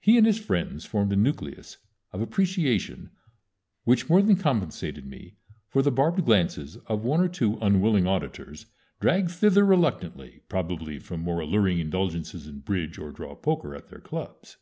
He and his friends formed a nucleus of appreciation which more than compensated me for the barbed glances of one or two unwilling auditors dragged thither reluctantly, probably from more alluring indulgences in bridge or draw poker at their clubs.